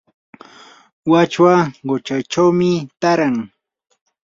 wachwa quchachawmi taaran.